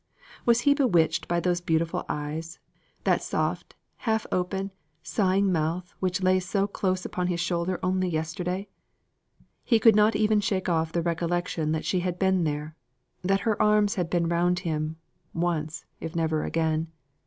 Was he bewitched by those beautiful eyes, that soft, half open, sighing mouth which lay so close upon his shoulder only yesterday? He could not even shake off the recollection that she had been there; that her arms had been round him, once if never again.